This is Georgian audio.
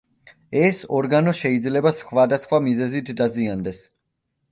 ეს ორგანო შეიძლება სხვადასხვა მიზეზით დაზიანდეს.